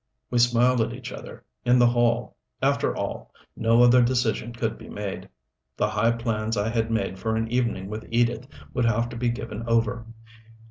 We smiled at each other, in the hall. After all, no other decision could be made. The high plans I had made for an evening with Edith would have to be given over.